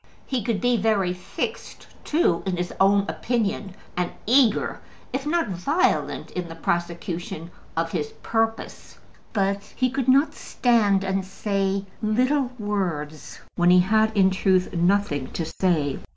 He could be very fixed too in his own opinion, and eager, if not violent, in the prosecution of his purpose. But he could not stand and say little words, when he had in truth nothing to say.